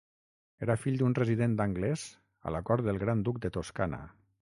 Era fill d'un resident anglès a la cort del Gran Duc de Toscana.